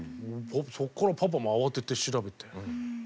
そこからパパも慌てて調べてＳＤＧｓ